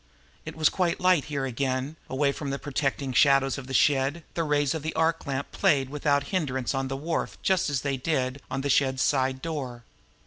It was quite light here again; away from the protecting shadows of the shed, the rays of the arc lamp played without hindrance on the wharf just as they did on the shed's side door.